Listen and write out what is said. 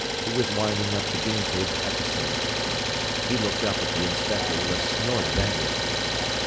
He was winding up the guinea pig episode. He looked up at the inspector with a snort of anger.